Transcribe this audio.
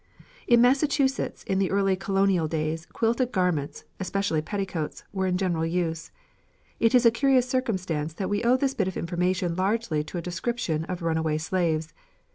In Massachusetts in the early colonial days quilted garments, especially petticoats, were in general use. It is a curious circumstance that we owe this bit of information largely to the description of runaway slaves.